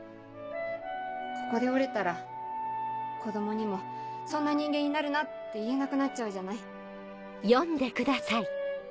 ここで折れたら子供にもそんな人間になるなって言えなくなっちゃうじゃない。